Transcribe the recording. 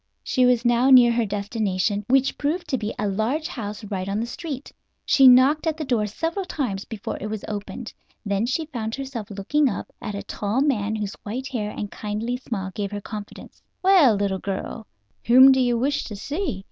She was now near her destination, which proved to be a large house right on the street. She knocked at the door several times before it was opened. Then she found herself looking up at a tall man whose white hair and kindly smile gave her confidence. "Well, little girl, whom do you wish to see?"